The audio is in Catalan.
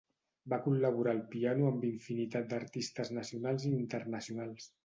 Va col·laborar al piano amb infinitat d'artistes nacionals i internacionals.